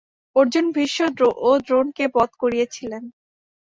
অর্জুন ভীষ্ম ও দ্রোণকে বধ করিয়াছিলেন।